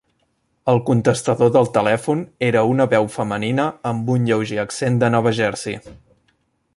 El contestador del telèfon era una veu femenina amb un lleuger accent de Nova Jersey.